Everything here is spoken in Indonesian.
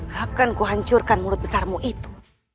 akan kuhancurkan mulut besarmu itu